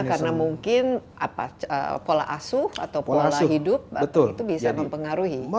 karena mungkin pola asuh atau pola hidup itu bisa mempengaruhi